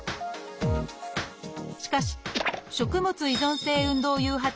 しかし食物依存性運動誘発